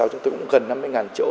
chúng tôi cũng gần năm mươi chỗ